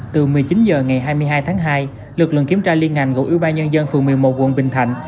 từ một mươi chín h ngày hai mươi hai tháng hai lực lượng kiểm tra liên hành của ủy ban nhân dân phường một mươi một quận bình thành